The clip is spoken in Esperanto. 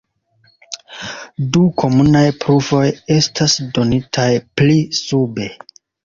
Du komunaj pruvoj estas donitaj pli sube.